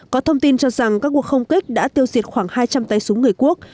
có thông tin cho rằng các cuộc không kích đã tiêu diệt khoảng hai trăm linh tay súng người quốc